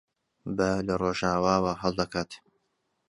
با لە ڕۆژاواوە هەڵدەکات.